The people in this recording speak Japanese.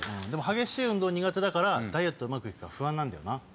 激しい運動苦手だからダイエットうまく行くか不安なんだよな。